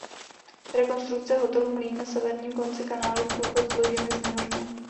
Rekonstrukce hotelu Mlýn na severním konci kanálu průchod s loděmi znemožnilo.